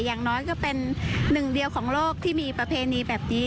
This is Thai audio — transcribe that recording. อย่างน้อยก็เป็นหนึ่งเดียวของโลกที่มีประเพณีแบบนี้